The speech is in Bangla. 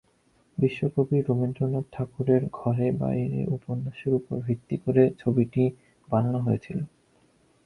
বিশ্বকবি রবীন্দ্রনাথ ঠাকুরের "ঘরে বাইরে" উপন্যাসের উপর ভিত্তি করে ছবিটি বানানো হয়েছিল।